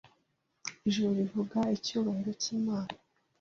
Ijuru rivuga icyubahiro cy’Imana